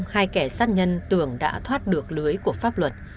hai kẻ sát nhân tưởng đã thoát được lưới của pháp luật